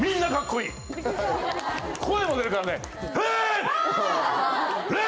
声も出るからね。